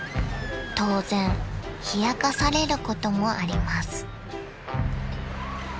［当然冷やかされることもあります］